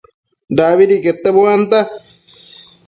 dabidi quete buanta